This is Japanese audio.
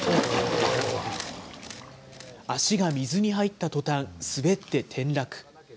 足が水に入ったとたん、滑って転落。